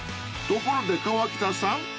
［ところで河北さん